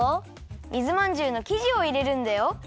水まんじゅうのきじをいれるんだよ。